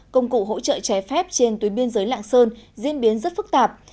công cụ hỗ trợ trái phép trên tuyến biên giới lạng sơn diễn biến rất phức tạp